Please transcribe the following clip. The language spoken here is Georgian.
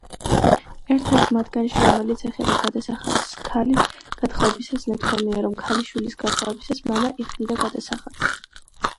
ერთ-ერთ მათგანში, რომელიც ეხება გადასახადს ქალის გათხოვებისას ნათქვამია, რომ ქალიშვილის გათხოვებისას მამა იხდიდა გადასახადს.